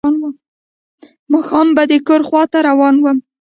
ماښام به د کور خواته روان و.